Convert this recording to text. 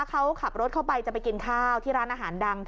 เขาขับรถเข้าไปจะไปกินข้าวที่ร้านอาหารดัง